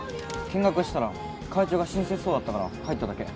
見学したら会長が親切そうだったから入っただけ。